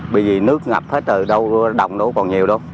bởi vì nước ngập hết rồi đồng đâu còn nhiều đâu